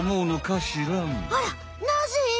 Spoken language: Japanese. あらなぜ？